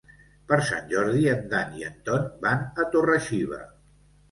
Per Sant Jordi en Dan i en Ton van a Torre-xiva.